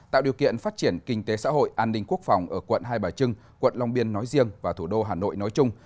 tạo điều kiện phát triển kinh tế xã hội an ninh quốc phòng ở quận hai bà trưng quận long biên nói riêng và thủ đô hà nội nói chung